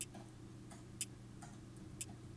Comprende todo el estado de Utah.